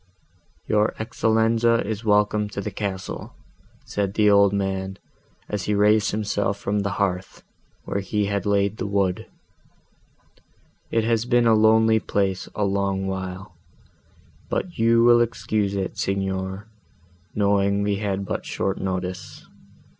"Your Excellenza is welcome to the castle," said the old man, as he raised himself from the hearth, where he had laid the wood: "it has been a lonely place a long while; but you will excuse it, Signor, knowing we had but short notice.